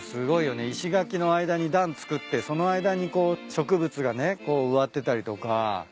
石垣の間に段つくってその間に植物がねこう植わってたりとか。